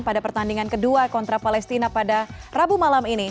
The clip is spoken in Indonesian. pada pertandingan kedua kontra palestina pada rabu malam ini